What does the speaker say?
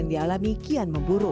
patroli adalah berisiko peningkuran